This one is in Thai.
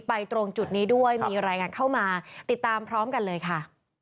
ตรงจุดนี้ด้วยมีรายงานเข้ามาติดตามพร้อมกันเลยค่ะ